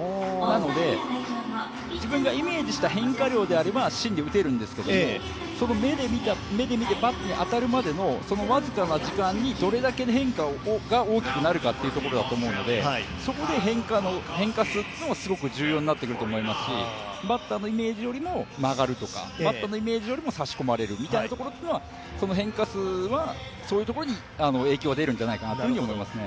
なので、自分がイメージした変化量であれば芯で打てるんですけど、目で見てバットに当たるまでのその僅かの時間にどれだけ変化が大きくなるかというところだと思うので、そこで変化するのが重要になってくると思いますしバッターのイメージよりも曲がるとかバッターのイメージよりも差し込まれるというところはその変化はそういうところに影響が出るんじゃないかと思いますね。